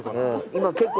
今結構。